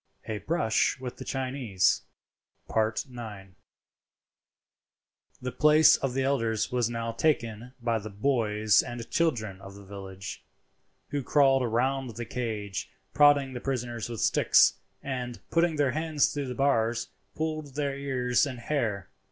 A BRUSH WITH THE CHINESE.—IX. The place of the elders was now taken by the boys and children of the village, who crowded round the cage, prodding the prisoners with sticks; and, putting their hands through the bars, pulled their ears and hair.